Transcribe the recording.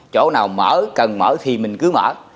chỗ nào mở cần mở thì mình cứ